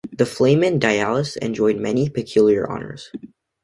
The Flamen Dialis enjoyed many peculiar honours.